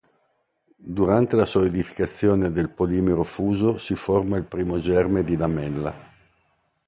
Durante la solidificazione del polimero fuso si forma il primo germe di lamella.